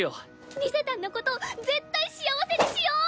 リゼたんのこと絶対幸せにしよう！